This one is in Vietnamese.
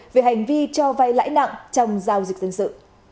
về hành vi cho vay lãi nặng trong giao dịch dân sự